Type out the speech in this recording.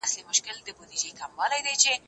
زه له سهاره ليک لولم،